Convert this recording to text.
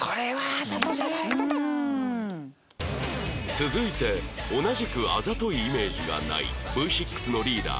続いて同じくあざといイメージがない Ｖ６ のリーダー